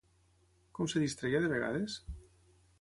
Com es distreia de vegades?